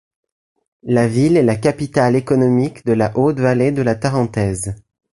La ville est la capitale économique de la haute-vallée de la Tarentaise.